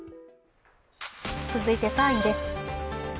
続いて３位です。